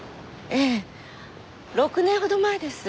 ええ６年ほど前です。